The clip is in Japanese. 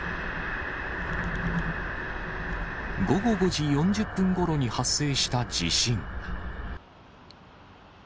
午後５時４０分ごろに発生した地震。